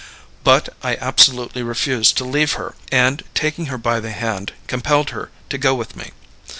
But I absolutely refused to leave her, and, taking her by the hand, compelled her to go with me.